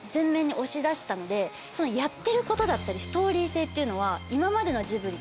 やってることだったりストーリー性っていうのは。